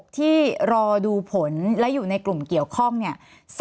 ที่รอดูผลและอยู่ในกลุ่มเกี่ยวข้องเนี่ย